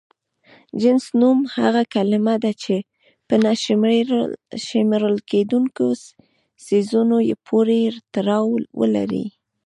جنس نوم هغه کلمه ده چې په نه شمېرل کيدونکو څيزونو پورې تړاو ولري.